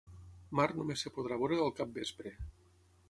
Mart només es podrà veure al capvespre